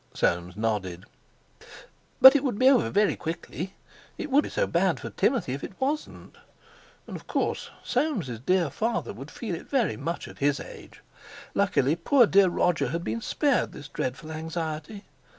Soames nodded. But it would be over very quickly. It would be so bad for Timothy if it wasn't. And of course Soames' dear father would feel it very much at his age. Luckily poor dear Roger had been spared this dreadful anxiety.